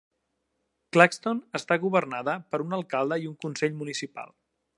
Claxton està governada per un alcalde i un consell municipal.